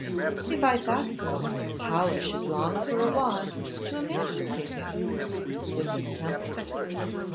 'If I thought so, how I should long for a wand to emancipate him!' said Miss Temple.